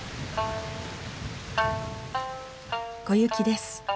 小雪です。